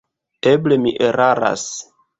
Eble mi eraras.